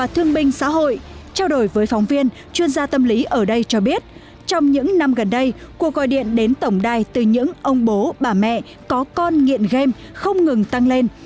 theo đổi với phóng viên chuyên gia tâm lý ở đây cho biết trong những năm gần đây cuộc gọi điện đến tổng đài từ những ông bố bà mẹ có con nghiện game không ngừng tăng lên